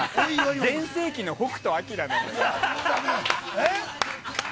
全盛期の北斗晶なのよ。